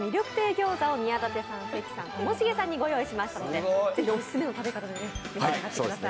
餃子を宮舘さん、関さん、ともしげさんにご用意しましたのでぜひオススメの食べ方でお召し上がりください。